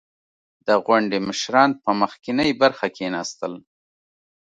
• د غونډې مشران په مخکینۍ برخه کښېناستل.